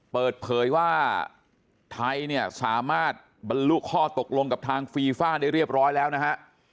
เปิดเผยว่าไทยเนี่ยสามารถบรรลุข้อตกลงกับทางฟีฟ่าได้เรียบร้อยแล้วนะฮะ